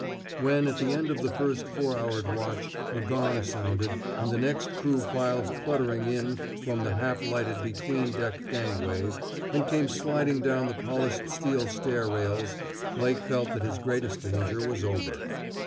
When at the end of the first four houred watch a gong sounded and the next crew filed cluttering in from the half lighted between deck gangways and came sliding down the polished steel stair rails, Blake felt that his greatest danger was over.